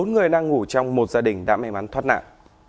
bốn người đang ngủ trong một gia đình đã may mắn thoát nạn